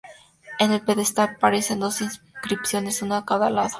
En el pedestal aparecen dos inscripciones, una a cada lado.